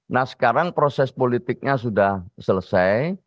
nah sekarang proses politiknya sudah selesai